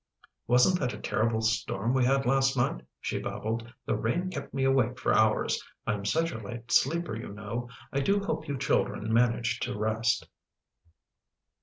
" Wasn't that a terrible storm we had last night," she babbled. " The rain kept me awake for hours — I'm such a light sleeper, you know. I do hope you children managed to rest."